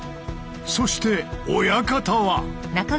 そして親方は。